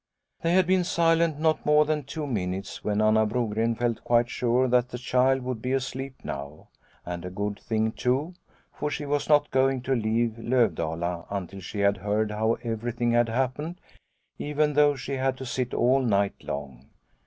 They had been silent not more than two minutes when Anna Brogren felt quite sure that the child would be asleep now, and a good thing too, for she was not going to leave Lovdala until she had heard how everything had happened, even though she had to sit all nigjht long.